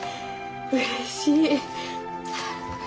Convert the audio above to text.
うれしい。